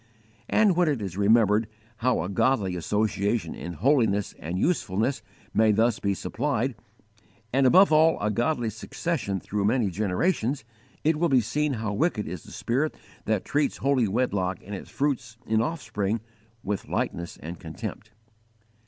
And when it is remembered how a godly association in holiness and usefulness may thus be supplied, and above all a godly succession through many generations, it will be seen how wicked is the spirit that treats holy wedlock and its fruits in offspring, with lightness and contempt.